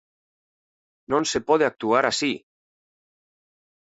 ¡Non se pode actuar así!